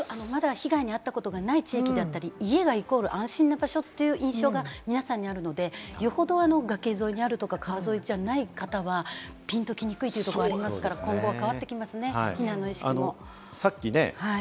まだ被害に遭ったことがない地域だったり、家が安心な場所という印象があるので、よほど崖沿いにあるとか川沿いじゃない方は、ピンときにくいところがありますから今後は変わってきますね、避難の意識も。